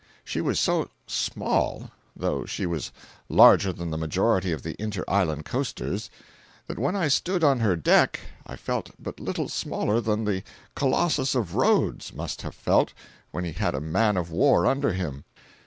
She was so small (though she was larger than the majority of the inter island coasters) that when I stood on her deck I felt but little smaller than the Colossus of Rhodes must have felt when he had a man of war under him.